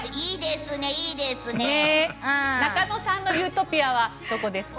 中野さんのユートピアはどうですか？